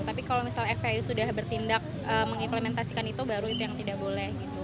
tapi kalau misalnya fpi sudah bertindak mengimplementasikan itu baru itu yang tidak boleh gitu